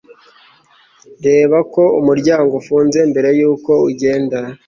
Reba ko umuryango ufunze mbere yuko ugenda